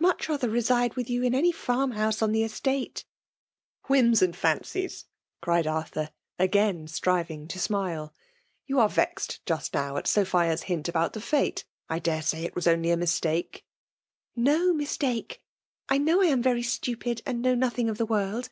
modi rather reside "miit you in any farm house on ihe estette^" ''Whims and fisncies ! cried Arthmry i^aik striving to smile " You are vexed just ii0«r at Sophia's hint about the fite. I dsve si^ it was oiily a mistake. *'No mistake!— 4 know X am very stsi]^ mnd know nothing of the world.